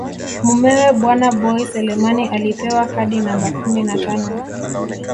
Mumewe bwana Boi Selemani alipewa kadi namba kumi na tano